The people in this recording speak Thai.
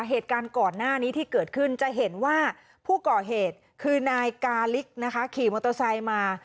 เหตุการณ์ก่อนหน้านี้ที่เกิดขึ้นจะเห็นว่าผู้ก่อเหตุคือนายกาลิกนะคะขี่มอเตอร์ไซค์มา